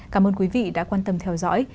cảm ơn quý vị đã quan tâm theo dõi